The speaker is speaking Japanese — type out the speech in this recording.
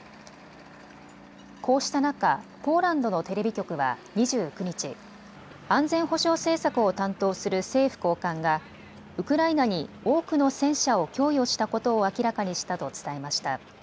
こうした中、ポーランドのテレビ局は２９日安全保障政策を担当する政府高官がウクライナに多くの戦車を供与したことを明らかにしたと伝えました。